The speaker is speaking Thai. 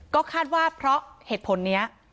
ก็คาดว่าเพราะเหตุผลนี้